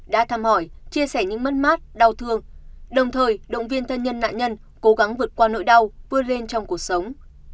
đã thăm hỏi chia sẻ những mất mát đau thương đồng thời động viên thân nhân nạn nhân cố gắng vượt qua nỗi đau vươn lên trong cuộc sống